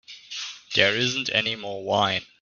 There isn't any more wine.